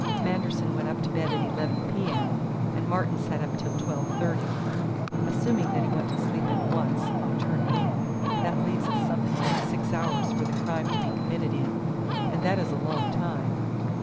Manderson went up to bed at eleven P. M. and Martin sat up till twelve thirty. Assuming that he went to sleep at once on turning in, that leaves us something like six hours for the crime to be committed in; and that is a long time.